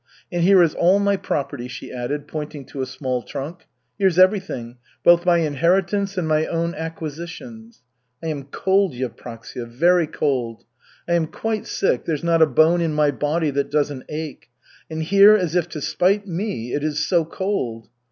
"And here is all my property," she added, pointing to a small trunk. "Here's everything, both my inheritance and my own acquisitions. I am cold, Yevpraksia, very cold. I am quite sick, there's not a bone in my body that doesn't ache, and here as if to spite me, it is so cold.